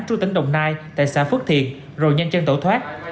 trú tỉnh đồng nai tại xã phước thiện rồi nhanh chân tẩu thoát